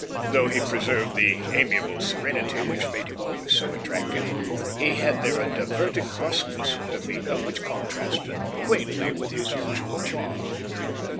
Though he preserved the amiable serenity which made him always so attractive, he had there a diverting brusqueness of demeanour which contrasted quaintly with his usual calm.